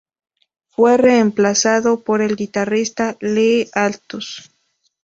Fue reemplazado por el guitarrista Lee Altus.